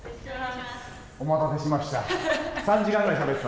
お待たせしました。